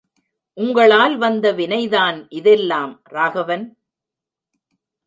உங்களால் வந்த வினைதான் இதெல்லாம்! ராகவன்.